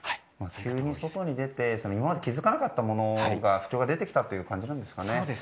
急に外に出て今まで気づかなかった不調が出てきたという感じなんですかね。